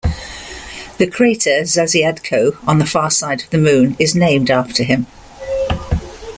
The crater Zasyadko on the far side of the Moon is named after him.